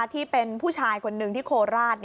ที่เป็นผู้ชายคนหนึ่งที่โคราช